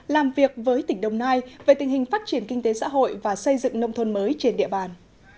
làm việc với tỉnh đồng nai về tình hình phát triển kinh tế xã hội và xây dựng nông thôn mới trên địa bàn